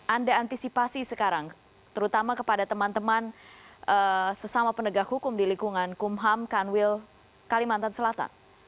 anda antisipasi sekarang terutama kepada teman teman sesama penegak hukum di lingkungan kumham kanwil kalimantan selatan